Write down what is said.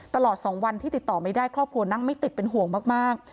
ตลอด๒วันที่ติดต่อไม่ได้ครอบครัวนั่งไม่ติดเป็นห่วงมาก